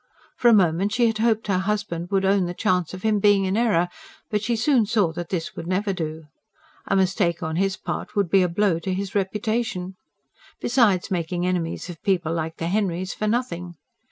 For a moment she had hoped her husband would own the chance of him being in error. But she soon saw that this would never do. A mistake on his part would be a blow to his reputation. Besides making enemies of people like the Henrys for nothing.